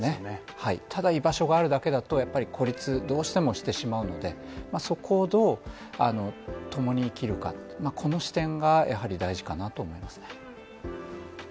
場所があるだけだとやっぱり孤立、どうしてもしてしまうのでそこをどうともに生きるか、この視点がやはり大事かなと思います。